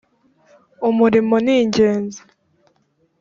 umurimo ningenzi.